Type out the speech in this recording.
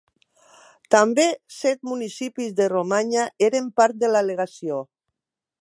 També set municipis de Romanya eren part de la Legació.